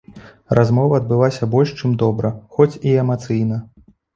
Размова адбылася больш чым добра, хоць і эмацыйна.